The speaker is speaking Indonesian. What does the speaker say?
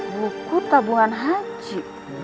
buku tabungan haji